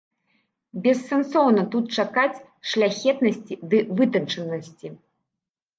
Бессэнсоўна тут чакаць шляхетнасці ды вытанчанасці.